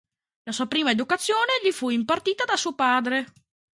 La sua prima educazione gli fu impartita da suo padre.